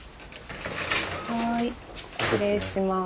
はい失礼します。